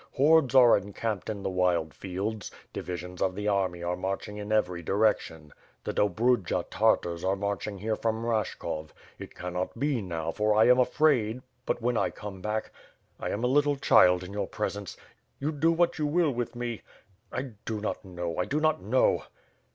Hordes are encamped in the wild fields; divisions of the army are marching in every direction. The Dobrudja Tartars are marching here from Eashkov. It cannot be, now, for I am afraid — but when I come back. ... I am a little child in your presence. You do what you will with me. ... I do not know, I do not know."